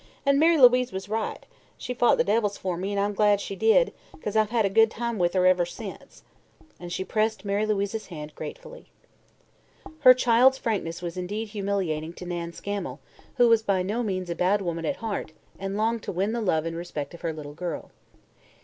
"An' Mary Louise was right. She fought the devils for me, and I'm glad she did, 'cause I've had a good time with her ever since," and she pressed Mary Louise's hand gratefully. Her child's frankness was indeed humiliating to Nan Scammel, who was by no means a bad woman at heart and longed to win the love and respect of her little girl.